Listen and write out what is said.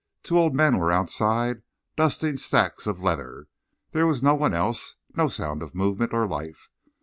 Two old men were outside, dusting stacks of leather. There was no one else, no sound of movement or life.